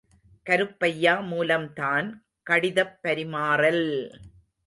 கருப்பையா மூலம்தான் கடிதப் பரிமாறல்!